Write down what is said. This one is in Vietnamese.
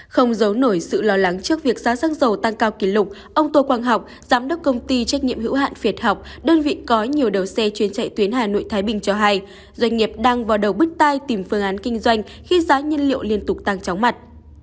không giấu nổi sự lo lắng trước việc giá xăng dầu tăng cao kỷ lục ông tô quang học giám đốc công ty trách nhiệm hữu hạn việt học đơn vị có nhiều đầu xe chuyên chạy tuyến hà nội thái bình cho hay doanh nghiệp đang vào đầu bếp tai tìm phương án kinh doanh khi giá nhân liệu liên tục tăng chóng mặt